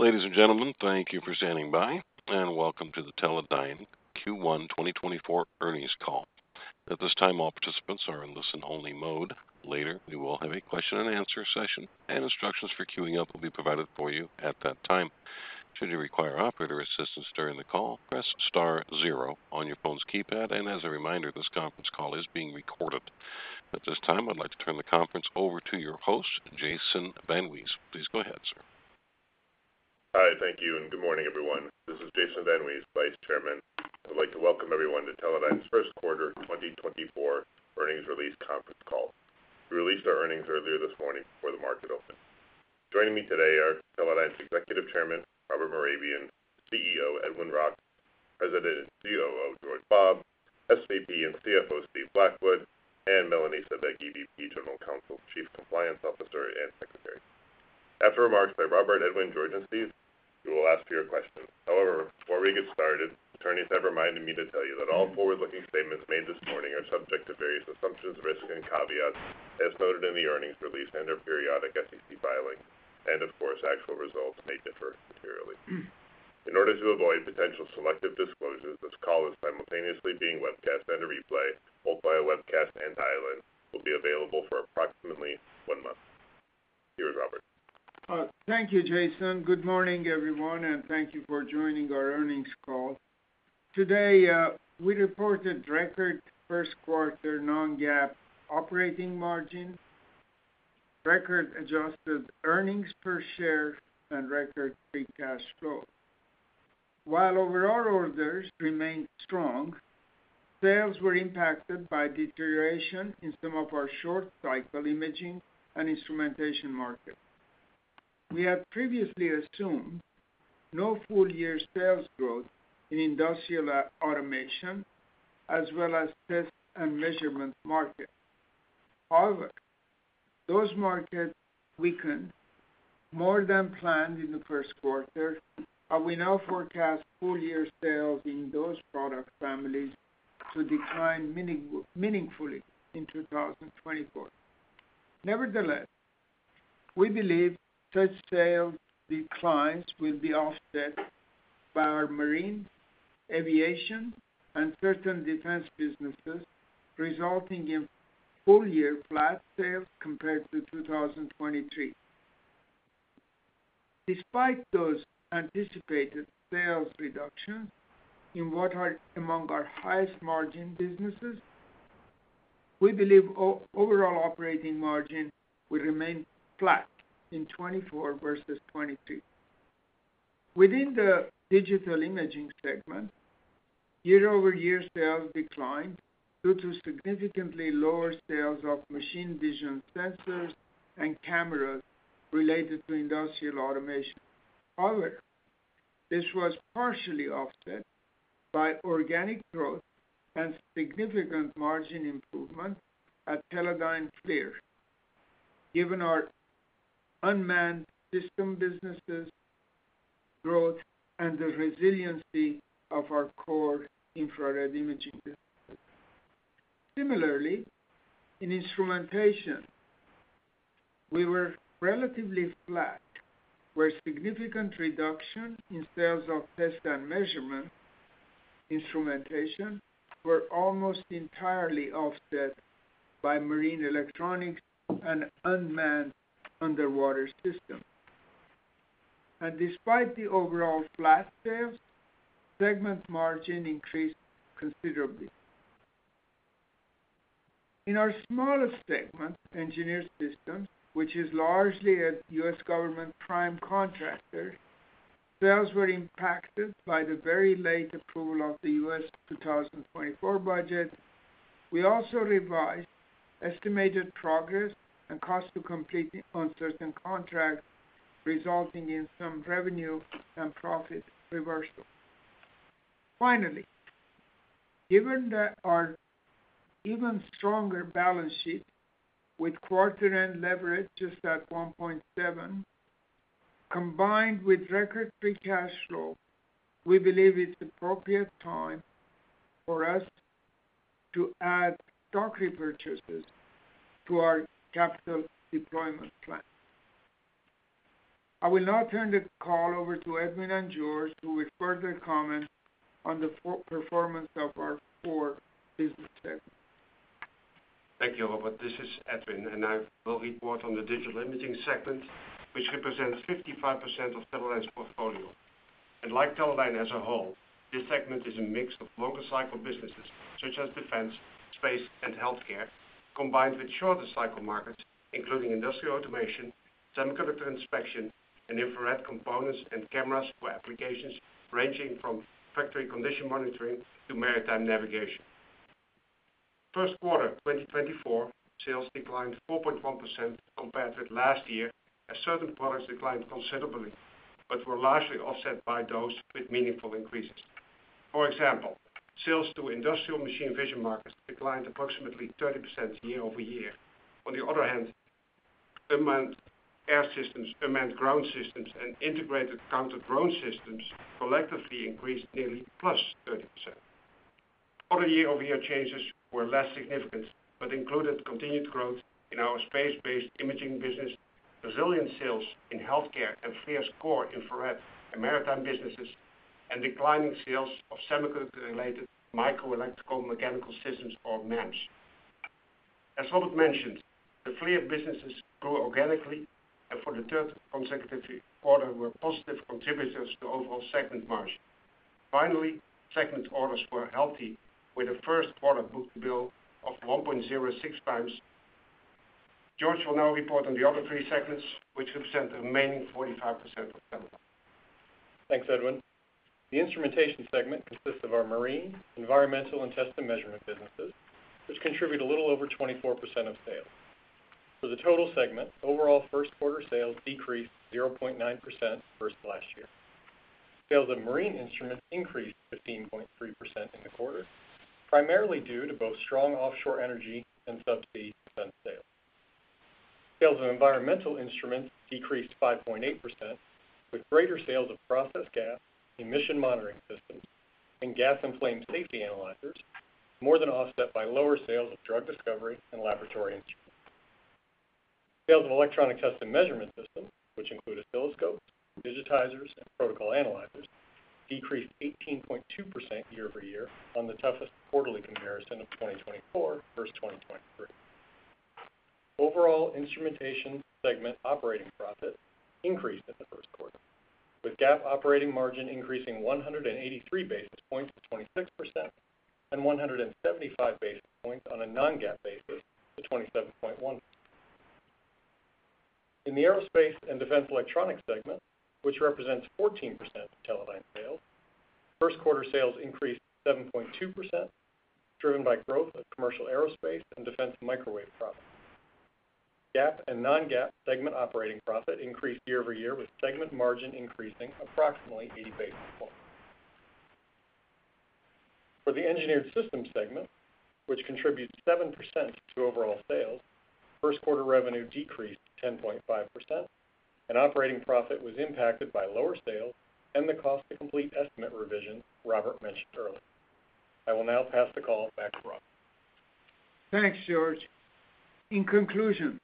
Ladies and gentlemen, thank you for standing by, and welcome to the Teledyne Q1 2024 earnings call. At this time, all participants are in listen-only mode. Later, we will have a question-and-answer session, and instructions for queuing up will be provided for you at that time. Should you require operator assistance during the call, press star zero on your phone's keypad, and as a reminder, this conference call is being recorded. At this time, I'd like to turn the conference over to your host, Jason VanWees. Please go ahead, sir. Hi, thank you, and good morning, everyone. This is Jason VanWees, Vice Chairman. I'd like to welcome everyone to Teledyne's first quarter 2024 earnings release conference call. We released our earnings earlier this morning before the market opened. Joining me today are Teledyne's Executive Chairman, Robert Mehrabian, CEO Edwin Roks, President and COO George Bobb, SVP and CFO Steve Blackwood, and Melanie Cibik, EVP, General Counsel, Chief Compliance Officer, and Secretary. After remarks by Robert, Edwin, George, and Steve, we will ask for your questions. However, before we get started, attorneys have reminded me to tell you that all forward-looking statements made this morning are subject to various assumptions, risks, and caveats as noted in the earnings release and our periodic SEC filing, and of course, actual results may differ materially. In order to avoid potential selective disclosures, this call is simultaneously being webcast and a replay, both via webcast and dial-in, will be available for approximately one month. Here's Robert. Thank you, Jason. Good morning, everyone, and thank you for joining our earnings call. Today, we reported record first quarter non-GAAP operating margin, record adjusted earnings per share, and record free cash flow. While overall orders remained strong, sales were impacted by deterioration in some of our short cycle imaging and instrumentation markets. We had previously assumed no full-year sales growth in industrial automation as well as test and measurement markets. However, those markets weakened more than planned in the first quarter, and we now forecast full-year sales in those product families to decline meaningfully in 2024. Nevertheless, we believe such sales declines will be offset by our marine, aviation, and certain defense businesses resulting in full-year flat sales compared to 2023. Despite those anticipated sales reductions in what are among our highest margin businesses, we believe overall operating margin will remain flat in 2024 versus 2023. Within the digital imaging segment, year-over-year sales declined due to significantly lower sales of machine vision sensors and cameras related to industrial automation. However, this was partially offset by organic growth and significant margin improvement at Teledyne FLIR given our unmanned system businesses' growth and the resiliency of our core infrared imaging businesses. Similarly, in instrumentation, we were relatively flat where significant reduction in sales of test and measurement instrumentation were almost entirely offset by marine electronics and unmanned underwater systems. Despite the overall flat sales, segment margin increased considerably. In our smallest segment, engineered systems, which is largely at U.S. government prime contractors, sales were impacted by the very late approval of the U.S. 2024 budget. We also revised estimated progress and cost to complete uncertain contracts resulting in some revenue and profit reversal. Finally, given that our even stronger balance sheet with quarter-end leverage just at 1.7 combined with record free cash flow, we believe it is appropriate time for us to add stock repurchases to our capital deployment plan. I will now turn the call over to Edwin and George who will further comment on the performance of our four business segments. Thank you, Robert. This is Edwin, and I will report on the digital imaging segment which represents 55% of Teledyne's portfolio. Like Teledyne as a whole, this segment is a mix of longer cycle businesses such as defense, space, and healthcare combined with shorter cycle markets including industrial automation, semiconductor inspection, and infrared components and cameras for applications ranging from factory condition monitoring to maritime navigation. First quarter 2024 sales declined 4.1% compared with last year as certain products declined considerably but were largely offset by those with meaningful increases. For example, sales to industrial machine vision markets declined approximately 30% year-over-year. On the other hand, unmanned air systems, unmanned ground systems, and integrated counter-drone systems collectively increased nearly +30%. Other year-over-year changes were less significant but included continued growth in our space-based imaging business, resilient sales in healthcare and FLIR's core infrared and maritime businesses, and declining sales of semiconductor-related microelectromechanical systems or MEMS. As Robert mentioned, the FLIR businesses grew organically and for the third consecutive quarter were positive contributors to overall segment margin. Finally, segment orders were healthy with a first quarter book-to-bill of 1.06x. George will now report on the other three segments which represent the remaining 45% of Teledyne. Thanks, Edwin. The instrumentation segment consists of our marine, environmental, and test and measurement businesses which contribute a little over 24% of sales. For the total segment, overall first quarter sales decreased 0.9% versus last year. Sales of marine instruments increased 15.3% in the quarter primarily due to both strong offshore energy and subsea defense sales. Sales of environmental instruments decreased 5.8% with greater sales of process gas, emission monitoring systems, and gas and flame safety analyzers more than offset by lower sales of drug discovery and laboratory instruments. Sales of electronic test and measurement systems which include oscilloscopes, digitizers, and protocol analyzers decreased 18.2% year-over-year on the toughest quarterly comparison of 2024 versus 2023. Overall instrumentation segment operating profits increased in the first quarter with GAAP operating margin increasing 183 basis points to 26% and 175 basis points on a non-GAAP basis to 27.1%. In the aerospace and defense electronics segment which represents 14% of Teledyne sales, first quarter sales increased 7.2% driven by growth of commercial aerospace and defense microwave products. GAAP and non-GAAP segment operating profit increased year-over-year with segment margin increasing approximately 80 basis points. For the engineered systems segment which contributes 7% to overall sales, first quarter revenue decreased 10.5% and operating profit was impacted by lower sales and the cost to complete estimate revisions Robert mentioned earlier. I will now pass the call back to Robert. Thanks, George. In conclusion,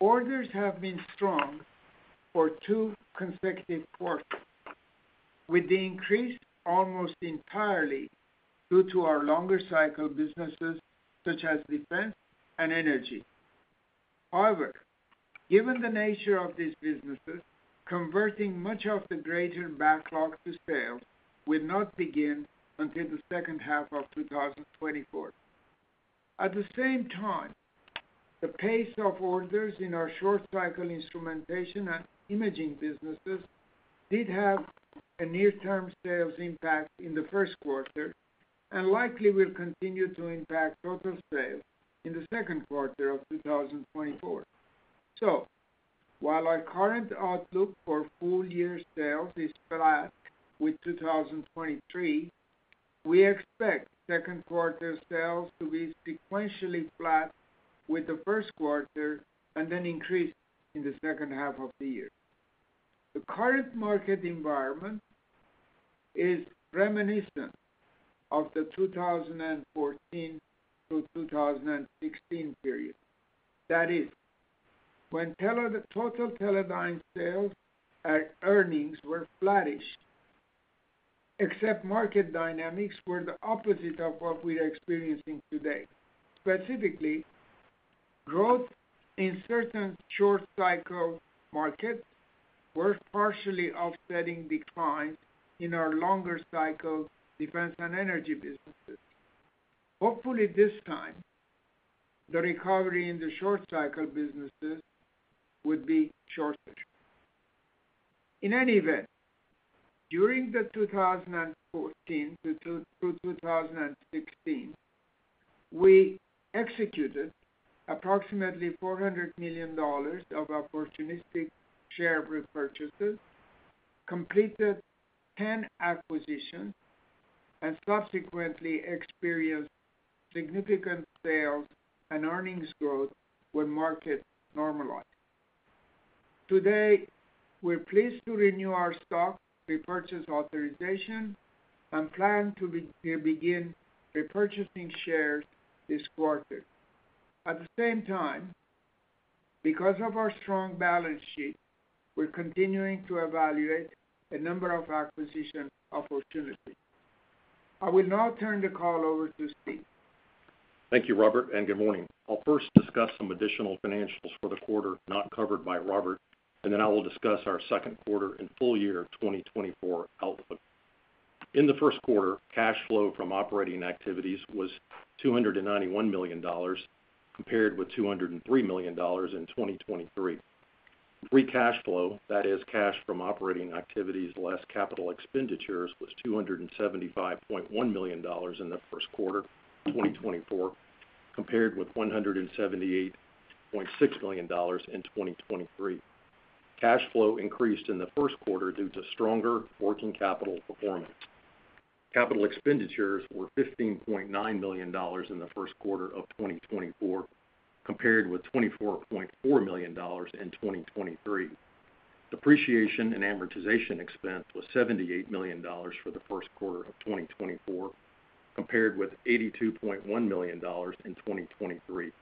orders have been strong for two consecutive quarters with the increase almost entirely due to our longer cycle businesses such as defense and energy. However, given the nature of these businesses, converting much of the greater backlog to sales would not begin until the second half of 2024. At the same time, the pace of orders in our short cycle instrumentation and imaging businesses did have a near-term sales impact in the first quarter and likely will continue to impact total sales in the second quarter of 2024. So, while our current outlook for full-year sales is flat with 2023, we expect second quarter sales to be sequentially flat with the first quarter and then increase in the second half of the year. The current market environment is reminiscent of the 2014 through 2016 period. That is, when total Teledyne sales at earnings were flattish except market dynamics were the opposite of what we are experiencing today. Specifically, growth in certain short cycle markets was partially offsetting declines in our longer cycle defense and energy businesses. Hopefully this time, the recovery in the short cycle businesses would be shorter. In any event, during the 2014 through 2016, we executed approximately $400 million of opportunistic share repurchases, completed 10 acquisitions, and subsequently experienced significant sales and earnings growth when markets normalized. Today, we are pleased to renew our stock repurchase authorization and plan to begin repurchasing shares this quarter. At the same time, because of our strong balance sheet, we are continuing to evaluate a number of acquisition opportunities. I will now turn the call over to Steve. Thank you, Robert, and good morning. I will first discuss some additional financials for the quarter not covered by Robert, and then I will discuss our second quarter and full-year 2024 outlook. In the first quarter, cash flow from operating activities was $291 million compared with $203 million in 2023. Free cash flow, that is, cash from operating activities less capital expenditures, was $275.1 million in the first quarter 2024 compared with $178.6 million in 2023. Cash flow increased in the first quarter due to stronger working capital performance. Capital expenditures were $15.9 million in the first quarter of 2024 compared with $24.4 million in 2023. Depreciation and amortization expense was $78 million for the first quarter of 2024 compared with $82.1 million in 2023.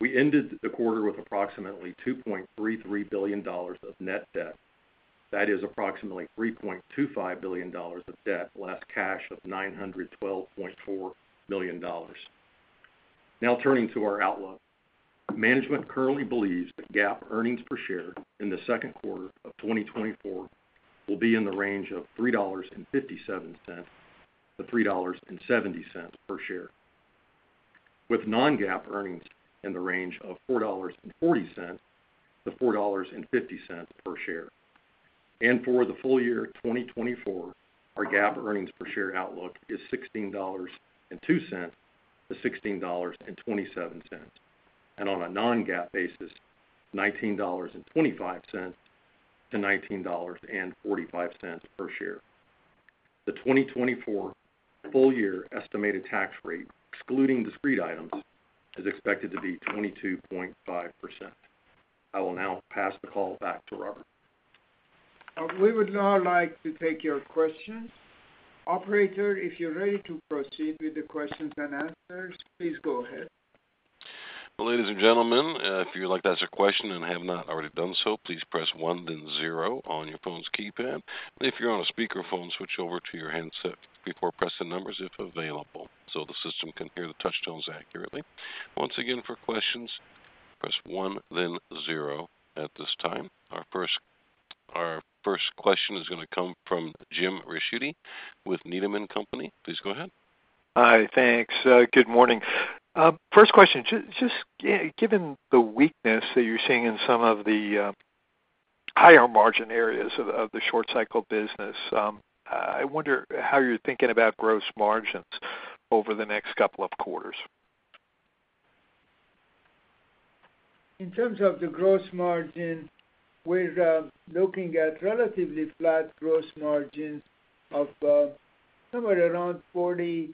We ended the quarter with approximately $2.33 billion of net debt. That is, approximately $3.25 billion of debt less cash of $912.4 million. Now turning to our outlook. Management currently believes that GAAP earnings per share in the second quarter of 2024 will be in the range of $3.57-$3.70 per share. With non-GAAP earnings in the range of $4.40-$4.50 per share. For the full-year 2024, our GAAP earnings per share outlook is $16.02-$16.27 and on a non-GAAP basis, $19.25-$19.45 per share. The 2024 full-year estimated tax rate excluding discrete items is expected to be 22.5%. I will now pass the call back to Robert. We would now like to take your questions. Operator, if you are ready to proceed with the questions and answers, please go ahead. Ladies and gentlemen, if you would like to ask a question and have not already done so, please press 1 then zero on your phone's keypad. If you are on a speakerphone, switch over to your headset before pressing numbers if available so the system can hear the touch tones accurately. Once again, for questions, press one then one at this time. Our first question is going to come from Jim Ricchiuti with Needham & Company. Please go ahead. Hi. Thanks. Good morning. First question, just given the weakness that you are seeing in some of the higher margin areas of the short cycle business, I wonder how you are thinking about gross margins over the next couple of quarters? In terms of the gross margin, we are looking at relatively flat gross margins of somewhere around 43%.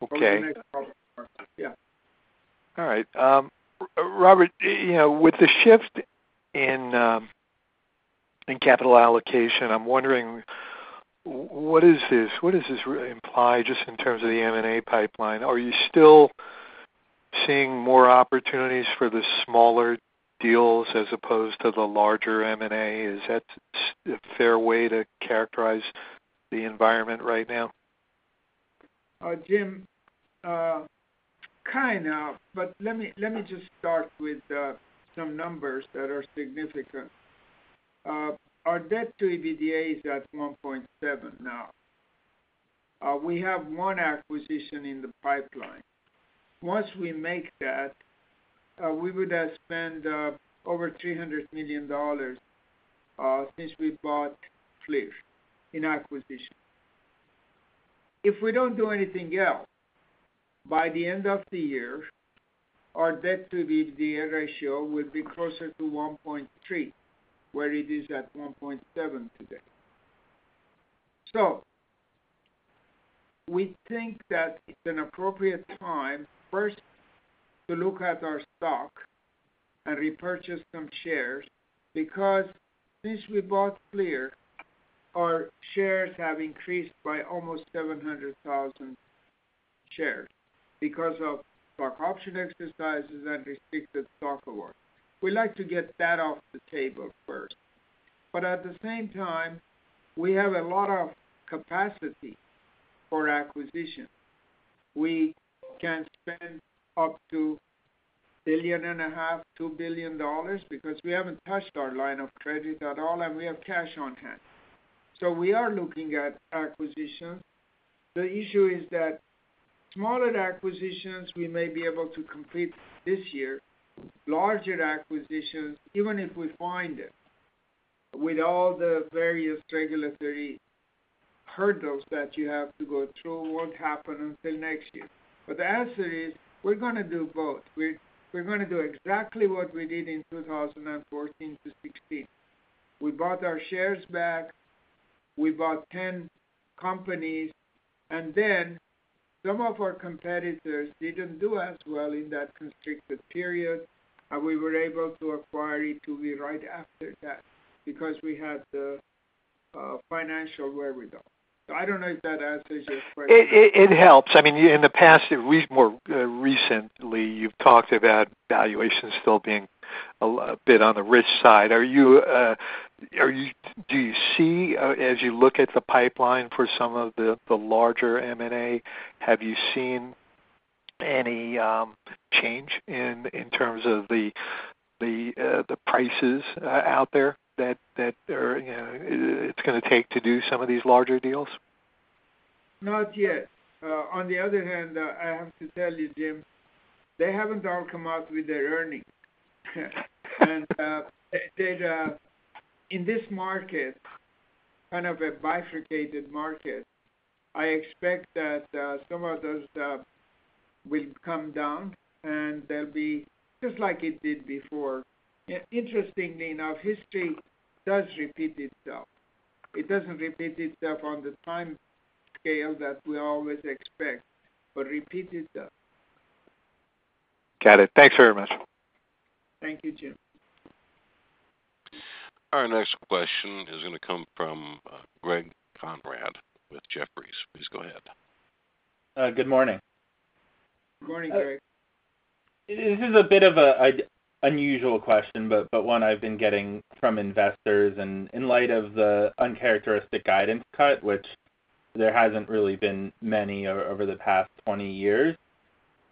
Okay. Over the next couple of quarters, yeah. All right. Robert, with the shift in capital allocation, I am wondering what does this imply just in terms of the M&A pipeline? Are you still seeing more opportunities for the smaller deals as opposed to the larger M&A? Is that a fair way to characterize the environment right now? Jim, kind of, but let me just start with some numbers that are significant. Our debt to EBITDA is at 1.7 now. We have one acquisition in the pipeline. Once we make that, we would have spent over $300 million since we bought FLIR in acquisition. If we do not do anything else, by the end of the year, our debt to EBITDA ratio will be closer to 1.3 where it is at 1.7 today. So, we think that it is an appropriate time first to look at our stock and repurchase some shares because since we bought FLIR, our shares have increased by almost 700,000 shares because of stock option exercises and restricted stock awards. We would like to get that off the table first. But at the same time, we have a lot of capacity for acquisitions. We can spend up to $1.5 billion-$2.0 billion because we have not touched our line of credit at all and we have cash on hand. So, we are looking at acquisitions. The issue is that smaller acquisitions we may be able to complete this year, larger acquisitions even if we find it with all the various regulatory hurdles that you have to go through will not happen until next year. But the answer is we are going to do both. We are going to do exactly what we did in 2014 to 2016. We bought our shares back, we bought 10 companies, and then some of our competitors did not do as well in that constricted period and we were able to acquire e2V right after that because we had the financial wherewithal. So, I do not know if that answers your question. It helps. I mean, in the past, more recently, you have talked about valuations still being a bit on the rich side. Do you see, as you look at the pipeline for some of the larger M&A, have you seen any change in terms of the prices out there that it is going to take to do some of these larger deals? Not yet. On the other hand, I have to tell you, Jim, they have not all come out with their earnings. In this market, kind of a bifurcated market, I expect that some of those will come down and there will be just like it did before. Interestingly enough, history does repeat itself. It does not repeat itself on the time scale that we always expect, but repeat itself. Got it. Thanks very much. Thank you, Jim. Our next question is going to come from Greg Konrad with Jefferies. Please go ahead. Good morning. Good morning, Greg. This is a bit of an unusual question, but one I have been getting from investors. In light of the uncharacteristic guidance cut which there has not really been many over the past 20 years,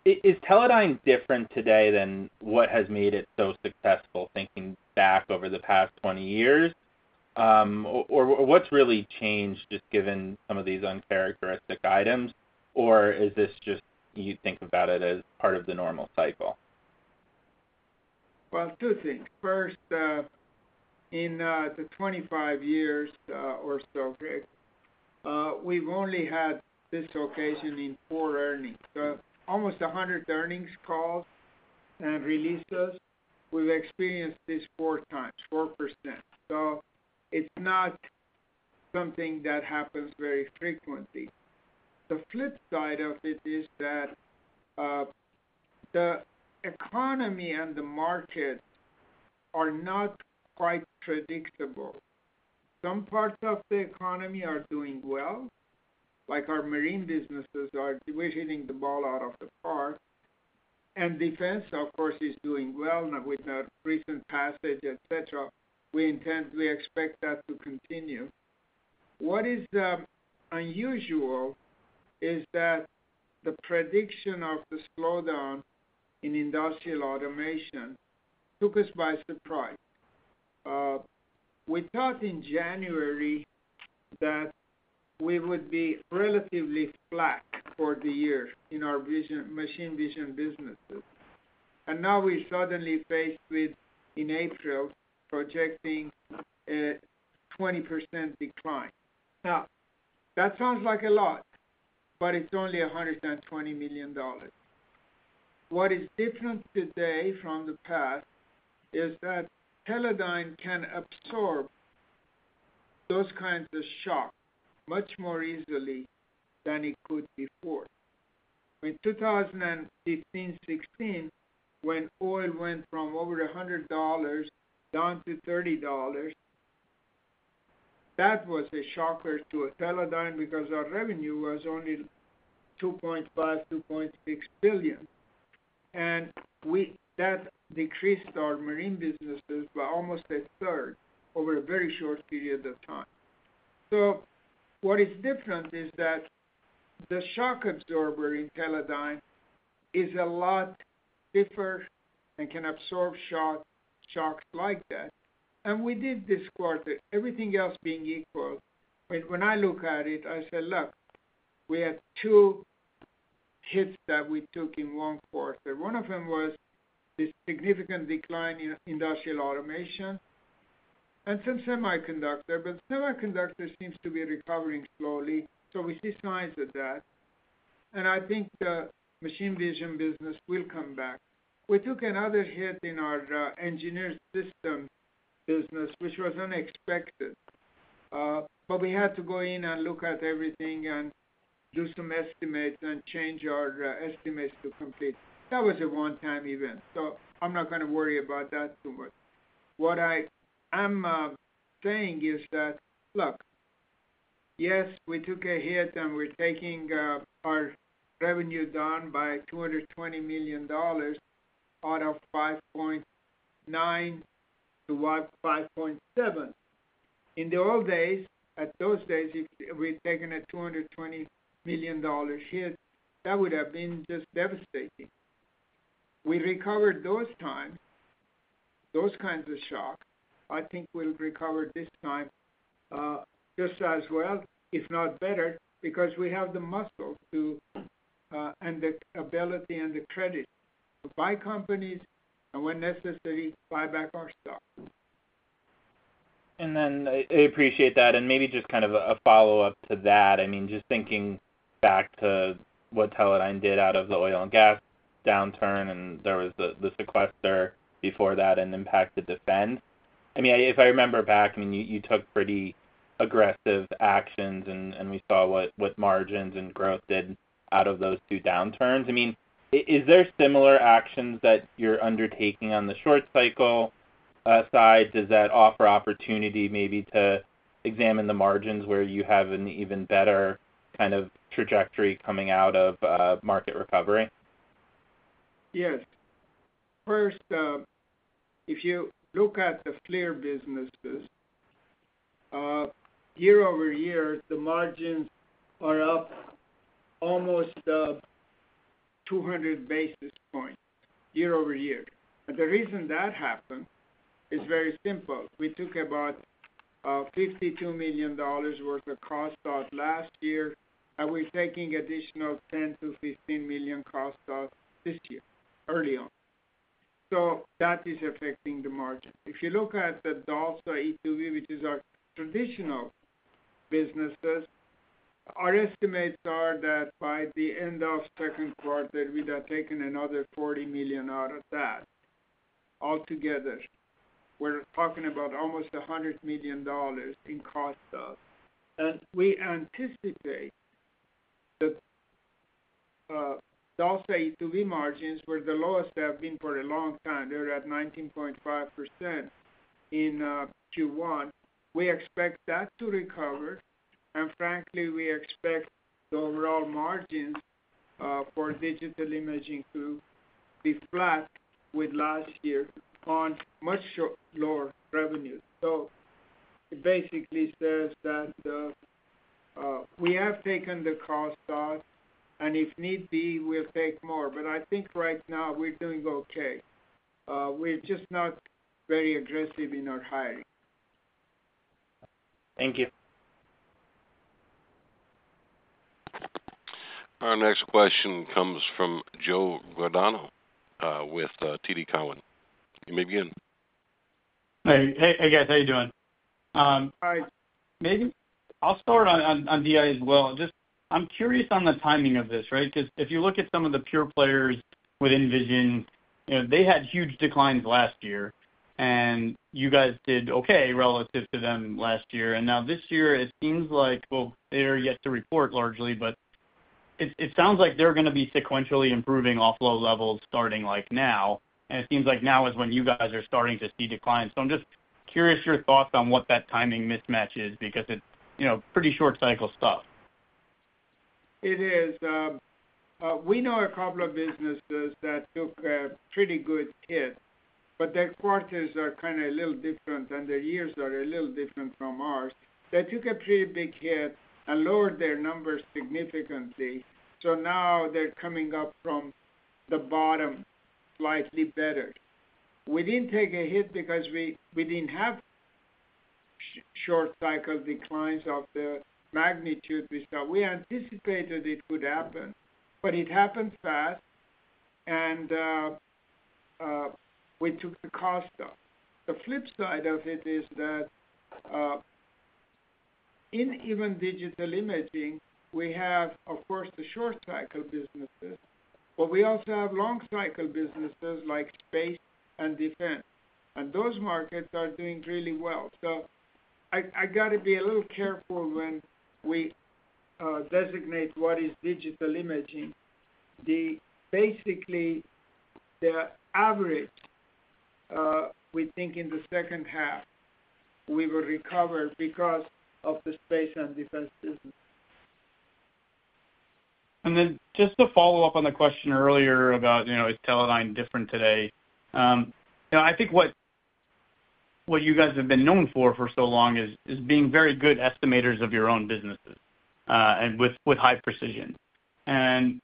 is Teledyne different today than what has made it so successful thinking back over the past 20 years? Or what has really changed just given some of these uncharacteristic items? Or is this just you think about it as part of the normal cycle? Well, two things. First, in the 25 years or so, Greg, we have only had this occasion in four earnings. So, almost 100 earnings calls and releases. We have experienced this four times, 4%. So, it is not something that happens very frequently. The flip side of it is that the economy and the market are not quite predictable. Some parts of the economy are doing well like our marine businesses are hitting the ball out of the park. And defense, of course, is doing well with a recent passage, etc. We expect that to continue. What is unusual is that the prediction of the slowdown in industrial automation took us by surprise. We thought in January that we would be relatively flat for the year in our machine vision businesses. And now we are suddenly faced with, in April, projecting a 20% decline. Now, that sounds like a lot, but it is only $120 million. What is different today from the past is that Teledyne can absorb those kinds of shocks much more easily than it could before. In 2015, 2016, when oil went from over $100 down to $30, that was a shocker to Teledyne because our revenue was only $2.5 billion, $2.6 billion. And that decreased our marine businesses by almost a third over a very short period of time. So, what is different is that the shock absorber in Teledyne is a lot stiffer and can absorb shocks like that. And we did this quarter. Everything else being equal, when I look at it, I say, "Look, we had two hits that we took in one quarter. One of them was this significant decline in industrial automation and some semiconductor, but semiconductor seems to be recovering slowly. So, we see signs of that. And I think the machine vision business will come back. We took another hit in our engineered system business which was unexpected. But we had to go in and look at everything and do some estimates and change our estimates to complete. That was a one-time event. So, I am not going to worry about that too much. What I am saying is that, "Look, yes, we took a hit and we are taking our revenue down by $220 million out of $5.9 billion towards $5.7 billion. In the old days, at those days, if we had taken a $220 million hit, that would have been just devastating. We recovered those times, those kinds of shocks. I think we will recover this time just as well, if not better because we have the muscle and the ability and the credit to buy companies and when necessary, buy back our stock. Then I appreciate that. Maybe just kind of a follow-up to that. I mean, just thinking back to what Teledyne did out of the oil and gas downturn and there was the sequester before that and impacted defense. I mean, if I remember back, I mean, you took pretty aggressive actions and we saw what margins and growth did out of those two downturns. I mean, is there similar actions that you are undertaking on the short cycle side? Does that offer opportunity maybe to examine the margins where you have an even better kind of trajectory coming out of market recovery? Yes. First, if you look at the FLIR businesses, year-over-year, the margins are up almost 200 basis points year-over-year. And the reason that happened is very simple. We took about $52 million worth of cost out last year and we are taking additional $10 million-$15 million cost out this year early on. So, that is affecting the margins. If you look at the DALSA e2v which is our traditional businesses, our estimates are that by the end of second quarter, we would have taken another $40 million out of that altogether. We are talking about almost $100 million in cost out. And we anticipate that DALSA e2v margins were the lowest they have been for a long time. They were at 19.5% in Q1. We expect that to recover and frankly, we expect the overall margins for digital imaging to be flat with last year on much lower revenues. So, it basically says that we have taken the cost out and if need be, we will take more. But I think right now we are doing okay. We are just not very aggressive in our hiring. Thank you. Our next question comes from Joe Giordano with TD Cowen. You may begin. Hey. Hey, guys. How are you doing? Hi. Maybe I will start on DI as well. Just, I am curious on the timing of this, right? Because if you look at some of the pure players with vision, they had huge declines last year and you guys did okay relative to them last year. And now this year, it seems like, well, they are yet to report largely, but it sounds like they are going to be sequentially improving offload levels starting like now. And it seems like now is when you guys are starting to see declines. So, I am just curious your thoughts on what that timing mismatch is because it is pretty short cycle stuff. It is. We know a couple of businesses that took a pretty good hit, but their quarters are kind of a little different and their years are a little different from ours. They took a pretty big hit and lowered their numbers significantly. So, now they are coming up from the bottom slightly better. We did not take a hit because we did not have short cycle declines of the magnitude we saw. We anticipated it would happen, but it happened fast and we took the cost out. The flip side of it is that in even digital imaging, we have, of course, the short cycle businesses, but we also have long cycle businesses like space and defense. And those markets are doing really well. So, I have got to be a little careful when we designate what is digital imaging. Basically, the average we think in the second half we will recover because of the space and defense business. And then just to follow up on the question earlier about, you know, is Teledyne different today? I think what you guys have been known for for so long is being very good estimators of your own businesses and with high precision. And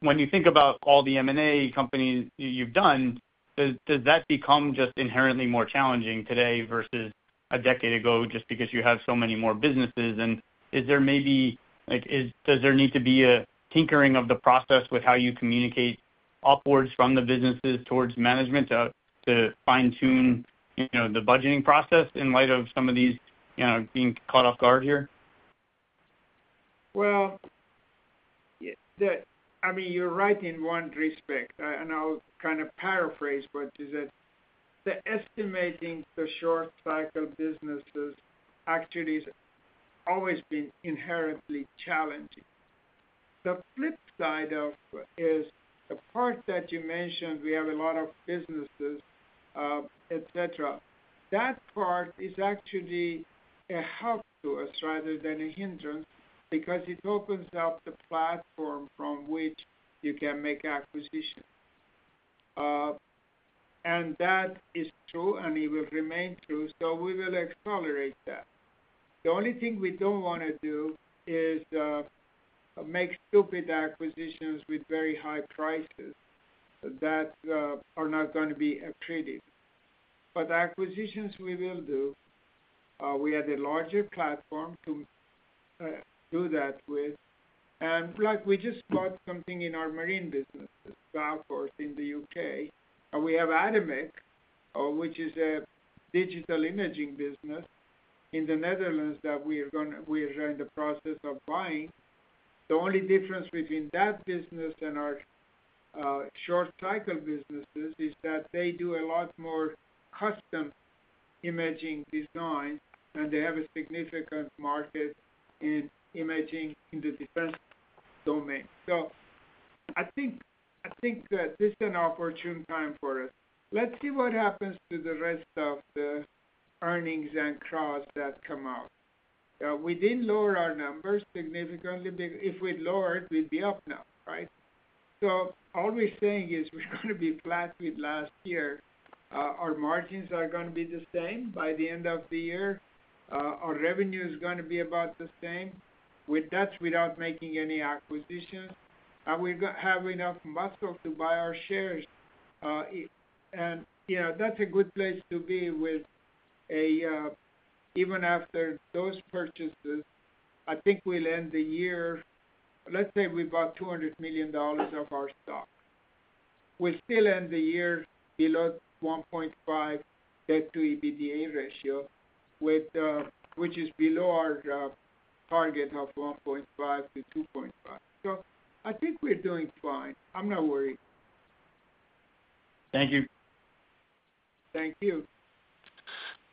when you think about all the M&A companies you have done, does that become just inherently more challenging today versus a decade ago just because you have so many more businesses? And is there maybe, like, does there need to be a tinkering of the process with how you communicate upwards from the businesses towards management to fine-tune the budgeting process in light of some of these, you know, being caught off guard here? Well, I mean, you are right in one respect. I will kind of paraphrase, but is that the estimating the short cycle businesses actually has always been inherently challenging. The flip side of it is the part that you mentioned, we have a lot of businesses, etc. That part is actually a help to us rather than a hindrance because it opens up the platform from which you can make acquisitions. That is true and it will remain true. We will accelerate that. The only thing we do not want to do is make stupid acquisitions with very high prices that are not going to be accredited. Acquisitions we will do. We have a larger platform to do that with. Look, we just bought something in our marine businesses, of course, in the UK. We have Adimec, which is a digital imaging business in the Netherlands that we are in the process of buying. The only difference between that business and our short cycle businesses is that they do a lot more custom imaging designs and they have a significant market in imaging in the defense domain. So, I think this is an opportune time for us. Let us see what happens to the rest of the earnings and cross that come out. We did not lower our numbers significantly. If we had lowered, we would be up now, right? So, all we are saying is we are going to be flat with last year. Our margins are going to be the same by the end of the year. Our revenue is going to be about the same. That is without making any acquisitions. We are going to have enough muscle to buy our shares. You know, that is a good place to be with even after those purchases. I think we will end the year, let us say we bought $200 million of our stock. We will still end the year below 1.5 debt to EBITDA ratio which is below our target of 1.5-2.5. So, I think we are doing fine. I am not worried. Thank you. Thank you.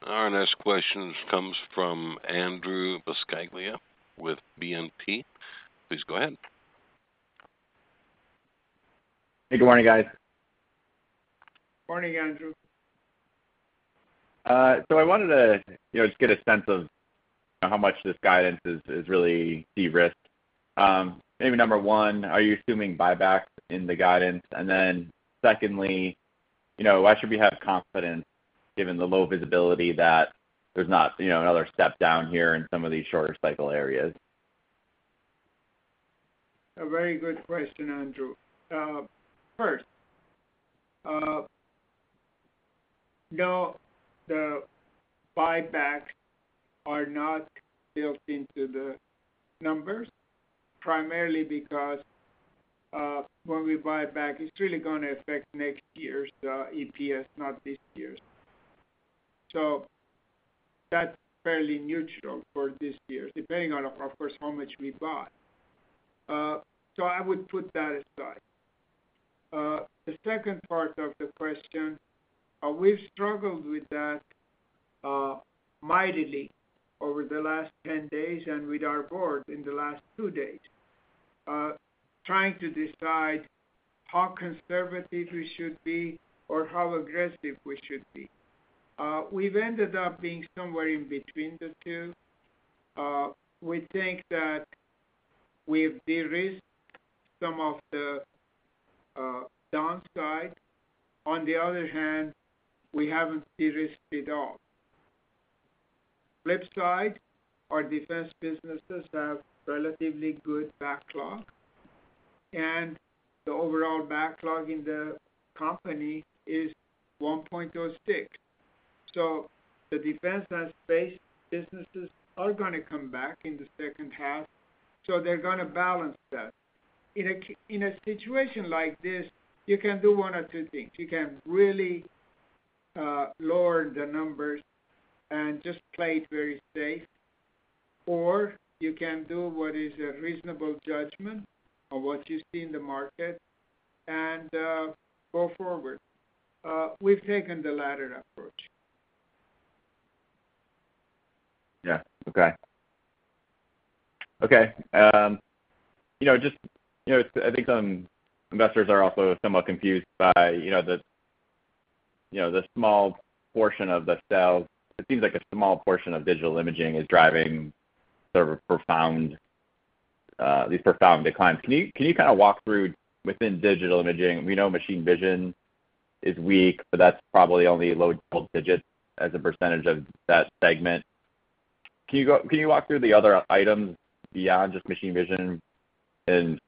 Our next question comes from Andrew Buscaglia with BNP. Please go ahead. Hey. Good morning, guys. Morning, Andrew. So, I wanted to just get a sense of how much this guidance is really de-risked. Maybe number one, are you assuming buybacks in the guidance? And then secondly, why should we have confidence given the low visibility that there is not another step down here in some of these shorter cycle areas? A very good question, Andrew. First, no, the buybacks are not built into the numbers primarily because when we buy back, it is really going to affect next year's EPS, not this year's. So, that is fairly neutral for this year depending on, of course, how much we buy. So, I would put that aside. The second part of the question, we have struggled with that mightily over the last 10 days and with our board in the last 2 days trying to decide how conservative we should be or how aggressive we should be. We have ended up being somewhere in between the two. We think that we have de-risked some of the downsides. On the other hand, we have not de-risked it all. Flip side, our defense businesses have relatively good backlog and the overall backlog in the company is 1.06. So, the defense and space businesses are going to come back in the second half. So, they are going to balance that. In a situation like this, you can do one or two things. You can really lower the numbers and just play it very safe or you can do what is a reasonable judgment of what you see in the market and go forward. We have taken the latter approach. Yeah. Okay. You know, just I think some investors are also somewhat confused by the small portion of the sales. It seems like a small portion of digital imaging is driving these profound declines. Can you kind of walk through within digital imaging? We know machine vision is weak, but that is probably only low double digits as a percentage of that segment. Can you walk through the other items beyond just machine vision and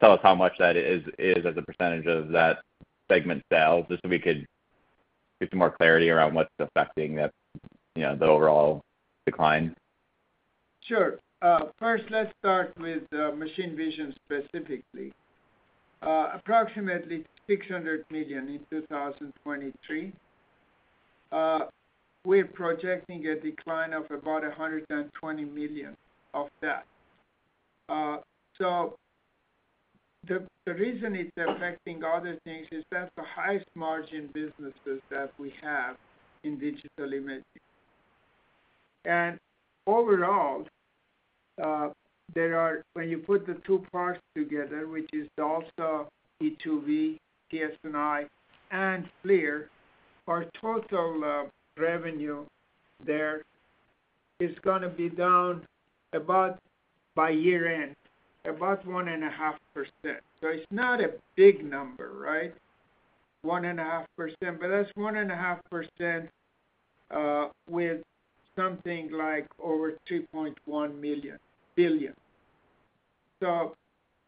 tell us how much that is as a percentage of that segment sales just so we could get some more clarity around what is affecting the overall decline? Sure. First, let us start with machine vision specifically. Approximately $600 million in 2023. We are projecting a decline of about $120 million of that. So, the reason it is affecting other things is that is the highest margin businesses that we have in digital imaging. And overall, when you put the two parts together which is DALSA e2v, TS&I, and FLIR, our total revenue there is going to be down about by year end, about 1.5%. So, it is not a big number, right? 1.5%, but that is 1.5% with something like over $3.1 billion. So,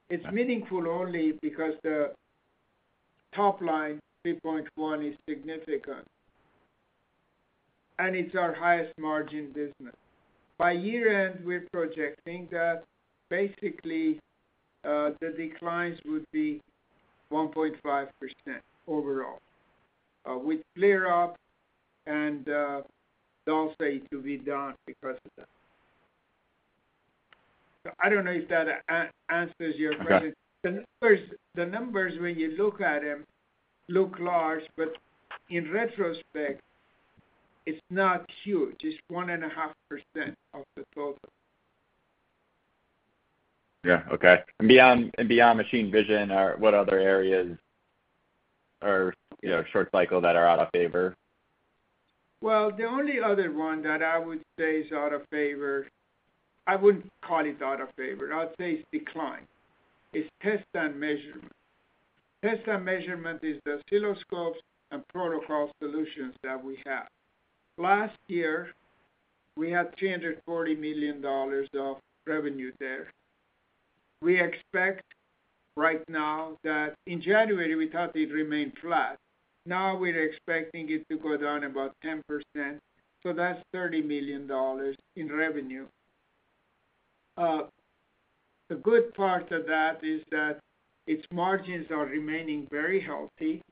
it is meaningful only because the top line $3.1 billion is significant and it is our highest margin business. By year end, we are projecting that basically the declines would be 1.5% overall with FLIR up and DALSA e2v down because of that. So, I do not know if that answers your question. The numbers, when you look at them, look large, but in retrospect, it is not huge. It is 1.5% of the total. Yeah. Okay. Beyond machine vision, what other areas are short cycle that are out of favor? Well, the only other one that I would say is out of favor, I would not call it out of favor. I would say it is decline. It is test and measurement. Test and measurement is the oscilloscopes and protocol solutions that we have. Last year, we had $340 million of revenue there. We expect right now that in January, we thought it remained flat. Now, we are expecting it to go down about 10%. So, that is $30 million in revenue. The good part of that is that its margins are remaining very healthy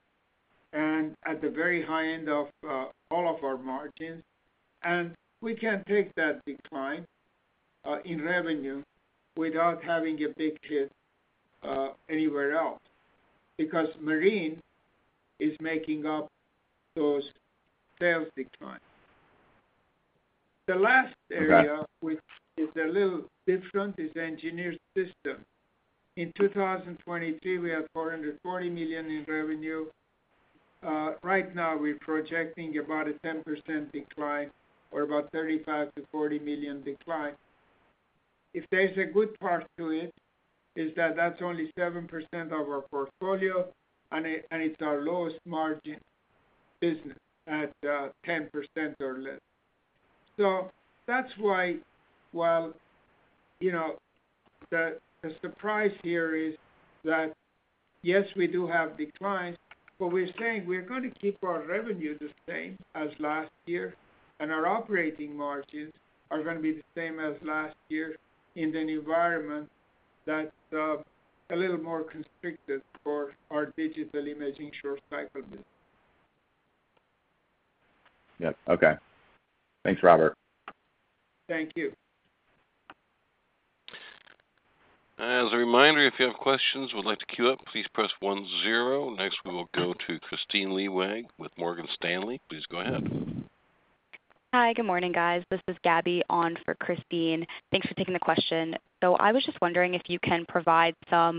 and at the very high end of all of our margins. And we can take that decline in revenue without having a big hit anywhere else because marine is making up those sales declines. The last area which is a little different is engineered systems. In 2023, we had $440 million in revenue. Right now, we are projecting about a 10% decline or about $35 million-$40 million decline. If there is a good part to it is that that is only 7% of our portfolio and it is our lowest margin business at 10% or less. So, that is why, well, you know, the surprise here is that yes, we do have declines, but we are saying we are going to keep our revenue the same as last year and our operating margins are going to be the same as last year in an environment that is a little more constricted for our digital imaging short cycle business. Yeah. Okay. Thanks, Robert. Thank you. As a reminder, if you have questions, would like to queue up, please press 10. Next, we will go to Kristine Liwag with Morgan Stanley. Please go ahead. Hi. Good morning, guys. This is Gabby on for Kristine. Thanks for taking the question. So, I was just wondering if you can provide a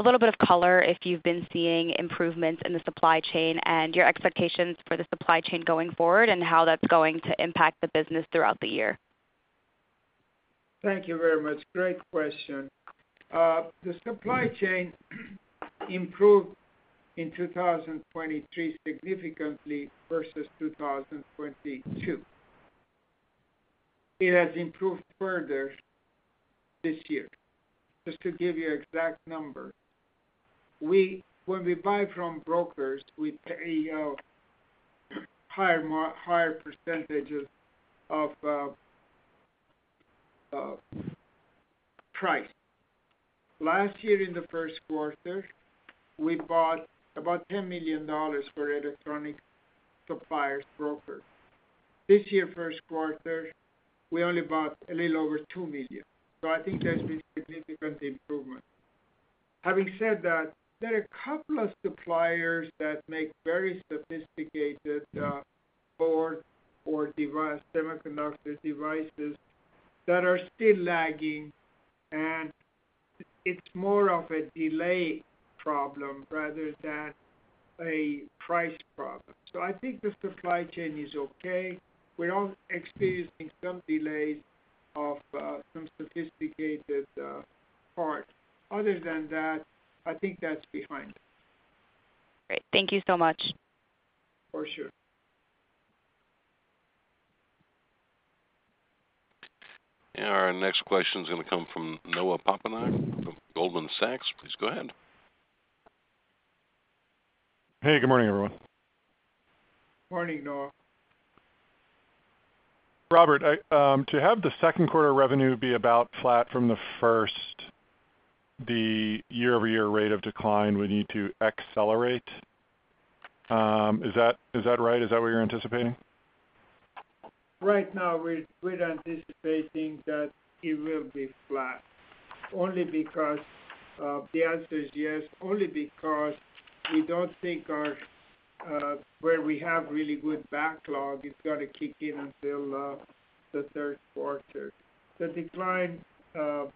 little bit of color if you have been seeing improvements in the supply chain and your expectations for the supply chain going forward and how that is going to impact the business throughout the year. Thank you very much. Great question. The supply chain improved in 2023 significantly versus 2022. It has improved further this year. Just to give you exact numbers, when we buy from brokers, we pay higher percentages of price. Last year in the first quarter, we bought about $10 million for electronic suppliers brokers. This year first quarter, we only bought a little over $2 million. So, I think there has been significant improvement. Having said that, there are a couple of suppliers that make very sophisticated boards or semiconductor devices that are still lagging and it is more of a delay problem rather than a price problem. So, I think the supply chain is okay. We are all experiencing some delays of some sophisticated parts. Other than that, I think that is behind us. Great. Thank you so much. For sure. Our next question is going to come from Noah Poponak from Goldman Sachs. Please go ahead. Hey. Good morning, everyone. Morning, Noah. Robert, to have the second quarter revenue be about flat from the first, the year-over-year rate of decline would need to accelerate. Is that right? Is that what you are anticipating? Right now, we are anticipating that it will be flat only because the answer is yes, only because we do not think where we have really good backlog is going to kick in until the third quarter. The decline is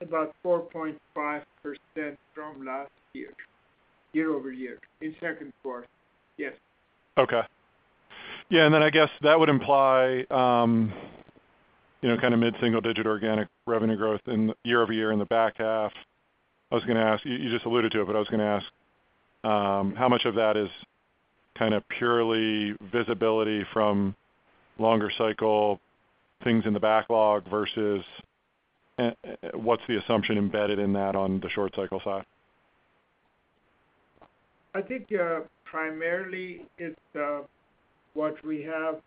about 4.5% from last year-over-year in second quarter. Yes. Okay. Yeah. And then I guess that would imply kind of mid-single digit organic revenue growth year-over-year in the back half. I was going to ask you just alluded to it, but I was going to ask how much of that is kind of purely visibility from longer cycle things in the backlog versus what is the assumption embedded in that on the short cycle side? I think primarily it is what we have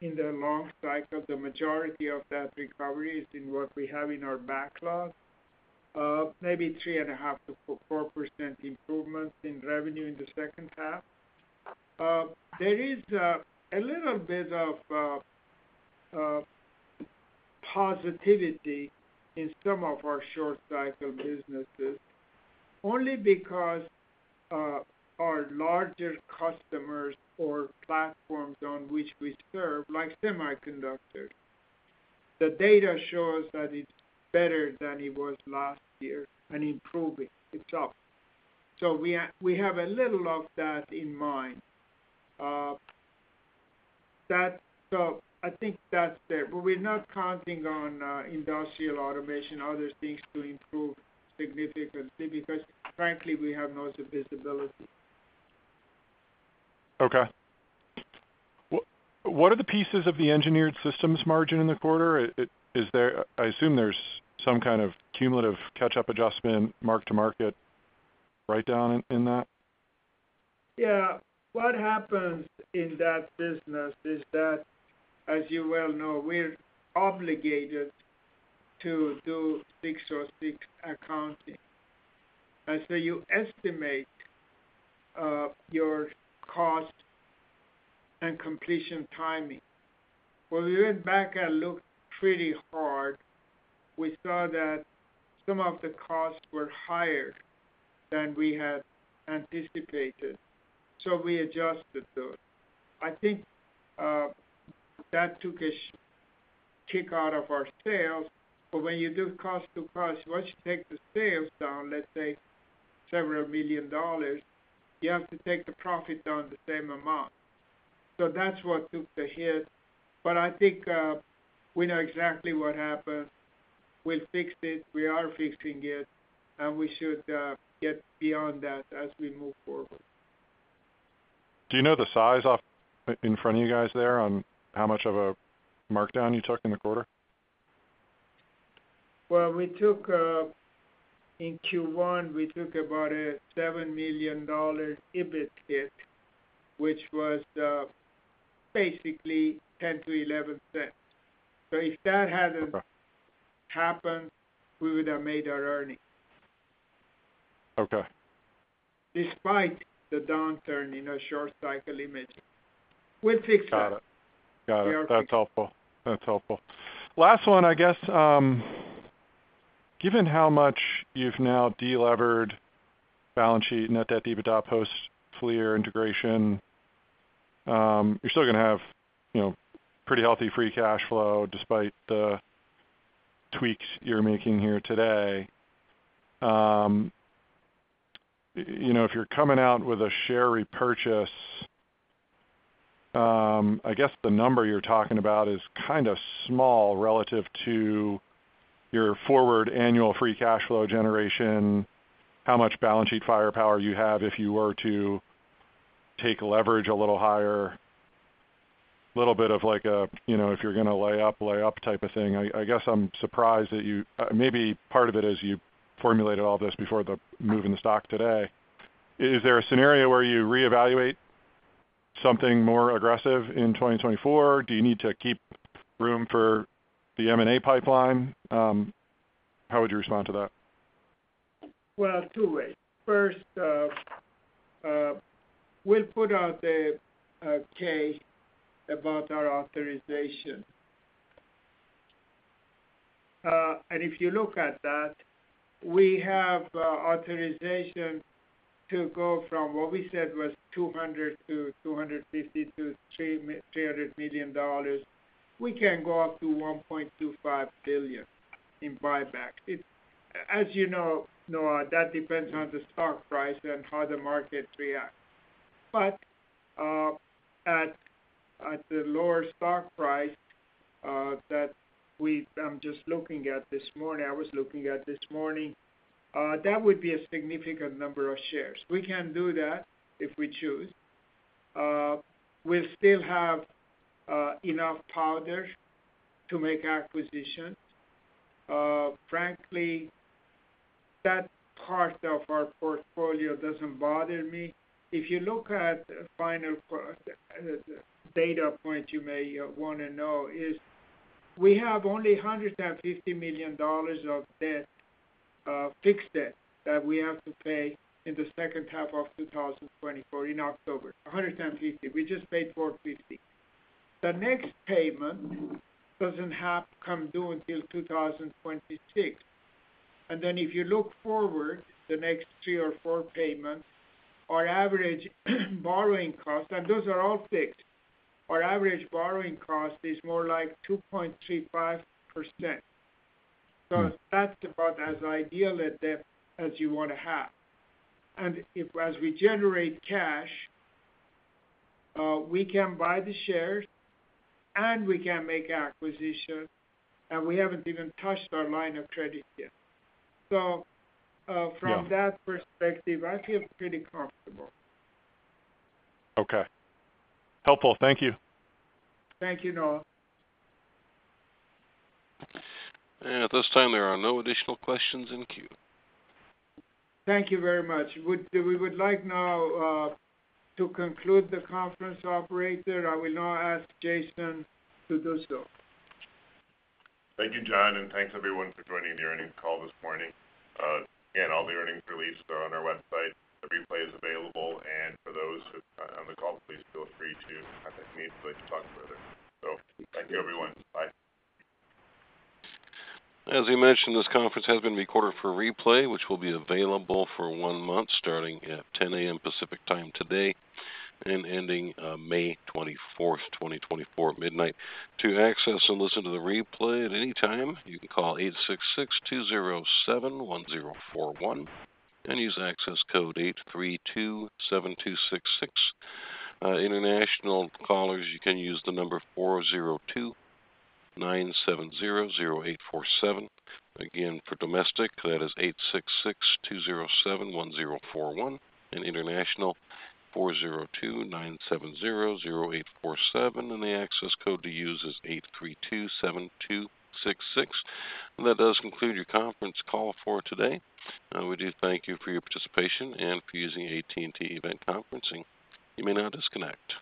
in the long cycle. The majority of that recovery is in what we have in our backlog. Maybe 3.5%-4% improvements in revenue in the second half. There is a little bit of positivity in some of our short cycle businesses only because our larger customers or platforms on which we serve, like semiconductors, the data shows that it is better than it was last year and improving itself. So, we have a little of that in mind. So, I think that is there, but we are not counting on industrial automation, other things to improve significantly because frankly, we have no visibility. Okay. What are the pieces of the engineered systems margin in the quarter? I assume there is some kind of cumulative catch-up adjustment mark to market write down in that? Yeah. What happens in that business is that, as you well know, we are obligated to do cost-to-cost accounting. And so, you estimate your cost and completion timing. When we went back and looked pretty hard, we saw that some of the costs were higher than we had anticipated. So, we adjusted those. I think that took a kick out of our sales, but when you do cost-to-cost, once you take the sales down, let us say several million dollars, you have to take the profit down the same amount. So, that is what took the hit, but I think we know exactly what happened. We fixed it. We are fixing it and we should get beyond that as we move forward. Do you know the size in front of you guys there on how much of a markdown you took in the quarter? Well, in Q1, we took about a $7 million EBIT hit which was basically $0.10-$0.11. So, if that had not happened, we would have made our earnings. Okay. Despite the downturn in our short cycle imaging. We will fix that. Got it. Got it. That is helpful. That is helpful. Last one, I guess, given how much you have now delevered balance sheet, net debt, EBITDA, post-FLIR integration, you are still going to have pretty healthy free cash flow despite the tweaks you are making here today. You know, if you are coming out with a share repurchase, I guess the number you are talking about is kind of small relative to your forward annual free cash flow generation, how much balance sheet firepower you have if you were to take leverage a little higher, little bit of like a, you know, if you are going to lay up, lay up type of thing. I guess I am surprised that you maybe part of it is you formulated all this before moving the stock today. Is there a scenario where you reevaluate something more aggressive in 2024? Do you need to keep room for the M&A pipeline? How would you respond to that? Well, two ways. First, we will put out the case about our authorization. And if you look at that, we have authorization to go from what we said was $200 million to $250 million-$300 million. We can go up to $1.25 billion in buybacks. As you know, Noah, that depends on the stock price and how the market reacts. But at the lower stock price that I am just looking at this morning, I was looking at this morning, that would be a significant number of shares. We can do that if we choose. We will still have enough powder to make acquisitions. Frankly, that part of our portfolio does not bother me. If you look at the final data point you may want to know is we have only $150 million of debt, fixed debt that we have to pay in the second half of 2024 in October. $150 million. We just paid $450 million. The next payment does not come due until 2026. And then if you look forward, the next three or four payments, our average borrowing cost, and those are all fixed, our average borrowing cost is more like 2.35%. So, that is about as ideal a debt as you want to have. And as we generate cash, we can buy the shares and we can make acquisitions and we have not even touched our line of credit yet. So, from that perspective, I feel pretty comfortable. Okay. Helpful. Thank you. Thank you, Noah. At this time, there are no additional questions in queue. Thank you very much. We would like now to conclude the conference, operator. I will now ask Jason to do so. Thank you, John, and thanks everyone for joining the earnings call this morning. Again, all the earnings releases are on our website. The replay is available and for those who are on the call, please feel free to contact me so I can talk further. Thank you everyone. Bye. As you mentioned, this conference has been recorded for replay which will be available for one month starting at 10:00 A.M. Pacific Time today and ending May 24th, 2024 at midnight. To access and listen to the replay at any time, you can call 866-207-1041 and use access code 8327266. International callers, you can use the number 402-970-0847. Again, for domestic, that is 866-207-1041 and international 402-970-0847 and the access code to use is 8327266. That does conclude your conference call for today. We do thank you for your participation and for using AT&T Event Conferencing. You may now disconnect.